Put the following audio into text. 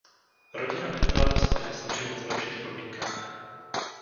Rodina neměla dost peněz na život v lepších podmínkách.